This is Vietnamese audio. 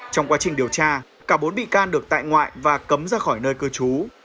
trong quá trình điều tra cả bốn bị can được tại ngoại và cấm ra khỏi nơi cư trú